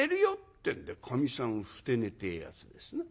ってんでかみさんふて寝てえやつですな。